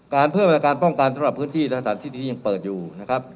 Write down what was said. เพิ่มมาตรการป้องกันสำหรับพื้นที่สถานที่นี้ยังเปิดอยู่นะครับ